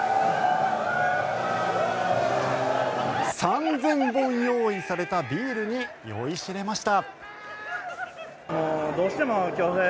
３０００本用意されたビールに酔いしれました。